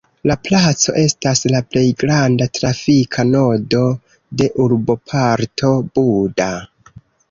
La placo estas la plej granda trafika nodo de urboparto Buda.